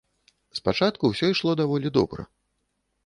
Спачатку ўсё ішло даволі добра.